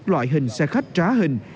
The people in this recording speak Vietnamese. loại hình xe khách trá hình